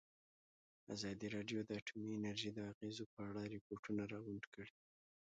ازادي راډیو د اټومي انرژي د اغېزو په اړه ریپوټونه راغونډ کړي.